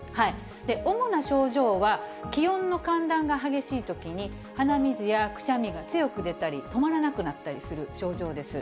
主な症状は、気温の寒暖が激しいときに、鼻水やくしゃみが強く出たり、止まらなくなったりする症状です。